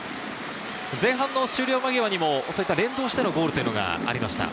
前半終了間際にも連動してのゴールがありました。